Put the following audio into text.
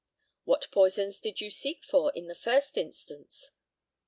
What poisons did you seek for in the first instance?